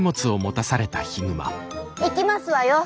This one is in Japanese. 行きますわよ。